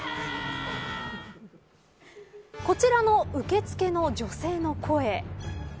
こちらの受付の女性の声。